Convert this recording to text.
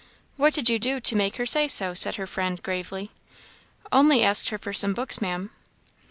"What did you do to make her say so?" said her friend, gravely. "Only asked her for some books, Maam."